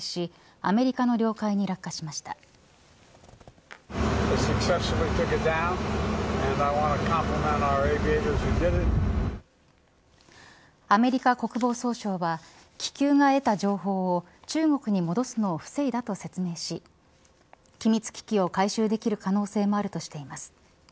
アメリカ国防総省は気球が得た情報を中国に戻すのを防いだと説明し機密機器を回収できる可能性もあるとしています。